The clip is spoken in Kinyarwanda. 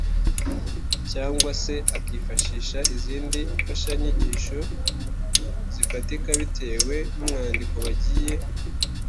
cyangwa se akifashisha izindi fashanyigisho zifatika bitewe n’umwandiko bagiye